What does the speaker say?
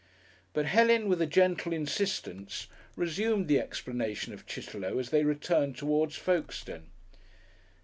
But Helen, with a gentle insistence, resumed the explanation of Chitterlow as they returned towards Folkestone.